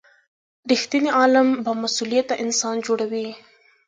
رښتینی علم بامسؤلیته انسان جوړوي.